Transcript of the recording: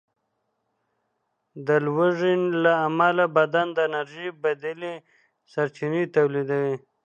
د لوږې له امله بدن د انرژۍ بدیلې سرچینې تولیدوي.